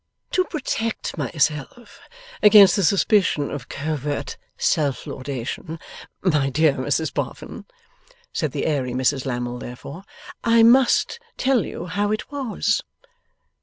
'To protect myself against the suspicion of covert self laudation, my dear Mrs Boffin,' said the airy Mrs Lammle therefore, 'I must tell you how it was.